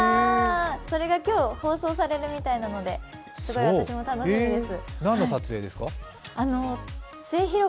それが今日、放送されるみたいなので、すごい私も楽しみです。